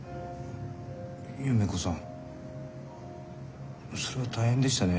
夢子さんそれは大変でしたね。